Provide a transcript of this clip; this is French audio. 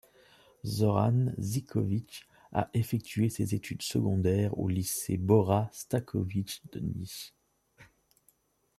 Zoran Živković a effectué ses études secondaires au Lycée Bora Staković de Niš.